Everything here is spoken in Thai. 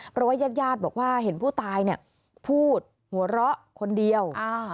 เพราะว่ายาดบอกว่าเห็นผู้ตายพูดหัวเราะคนเดียว